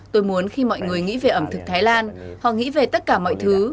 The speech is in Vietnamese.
tôi muốn khi mọi người nghĩ về ẩm thực thái lan họ nghĩ về tất cả mọi thứ